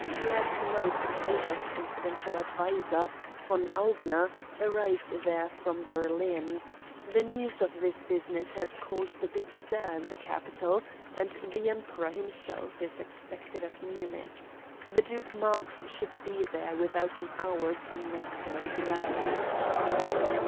"Last night the Kaiser's confidential adviser, von Augener, arrived there from Berlin. The news of this business has caused a big stir in the capital, and the Emperor himself is expected at Munich. The Duke Marx should be there without an hour's unnecessary delay."